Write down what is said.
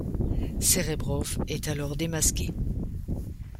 Sérébrov est alors démasqué.